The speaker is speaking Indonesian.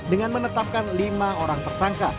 dengan menetapkan lima orang tersangka